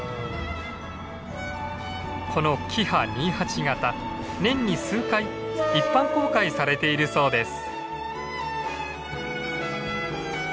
このキハ２８形年に数回一般公開されているそうです。